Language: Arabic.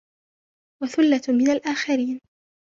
وَثُلَّةٌ مِنَ الْآخِرِينَ